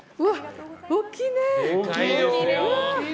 大きいね！